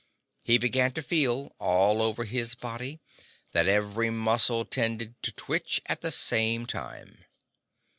He began to feel, all over his body, that every muscle tended to twitch at the same time.